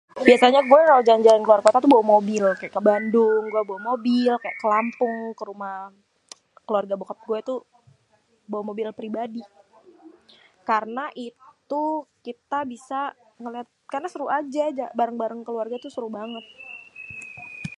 biasanyè gua jalan keluar kota tuh bawa mobil ke bandung bawa mobil kaya ke lampung kerumah, keluarga bokap gua tuh bawa mobil pribadi, karna itu kita bisa ngeliat, karna seru aja barèng-barèng keluarga itu seru banget.